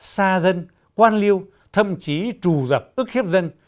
xa dân quan liêu thậm chí trù dập ức hiếp dân